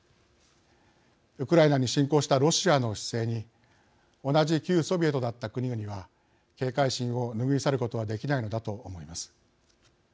ウクライナに侵攻したロシアの姿勢に同じ旧ソビエトだった国々は警戒心を拭い去ることはできないのだと思います。